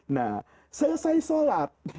nah selesai sholat